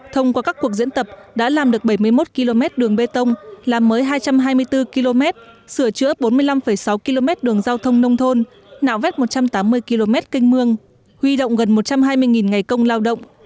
thông qua các cuộc diễn tập đã làm được bảy mươi một km đường bê tông làm mới hai trăm hai mươi bốn km sửa chữa bốn mươi năm sáu km đường giao thông nông thôn nạo vét một trăm tám mươi km canh mương huy động gần một trăm hai mươi ngày công lao động